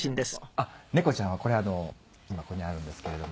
あっ猫ちゃんはこれはあの今ここにあるんですけれども。